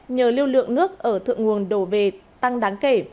nhờ lưu lượng nước ở thượng nguồn đổ về tăng đáng kể